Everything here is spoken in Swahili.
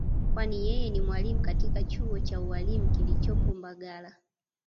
kwani yeye ni mwalimu katika chuo cha ualimu kilichopo mbagala